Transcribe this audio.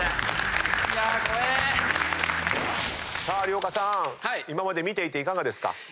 さあ有岡さん今まで見ていていかがですか？